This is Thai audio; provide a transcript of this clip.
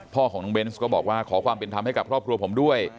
พ่อของน้องเบนส์ก็บอกว่าขอความเป็นธรรมให้กับครอบครัวผมด้วย